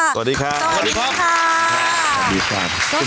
สวัสดีค่ะ